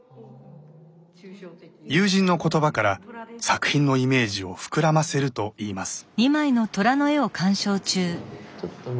友人の言葉から作品のイメージを膨らませるといいます。